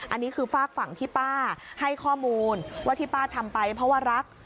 อันนี้คือฝากฝั่งที่ป้าให้ข้อมูลว่าที่ป้าทำไปเพราะว่ารัก